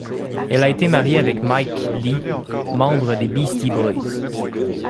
Elle a été mariée avec Mike D, membre des Beastie Boys.